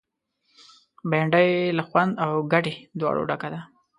بېنډۍ له خوند او ګټې دواړو ډکه ده